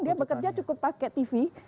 dia bekerja cukup pakai tv